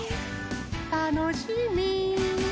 たのしみ。